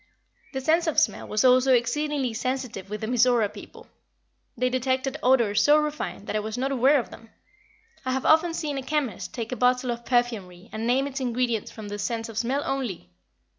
The sense of smell was also exceedingly sensitive with the Mizora people. They detected odors so refined that I was not aware of them. I have often seen a chemist take a bottle of perfumery and name its ingredients from the sense of smell only.